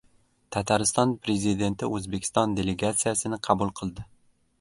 Tatariston Prezidenti O‘zbekiston delegasiyasini qabul qildi